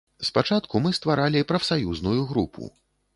Спачатку мы стваралі прафсаюзную групу.